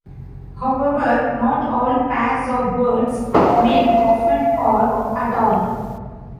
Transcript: However, not all pairs of birds mate often or at all.